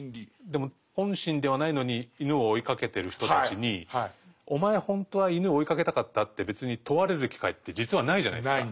でも本心ではないのに犬を追いかけてる人たちに「お前ほんとは犬追いかけたかった？」って別に問われる機会って実はないじゃないですか。